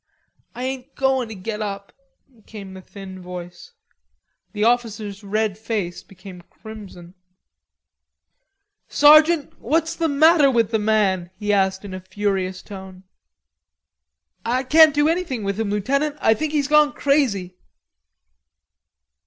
"I ain't goin' to get up," came the thin voice. The officer's red face became crimson. "Sergeant, what's the matter with the man?" he asked in a furious tone. "I can't do anything with him, lieutenant. I think he's gone crazy."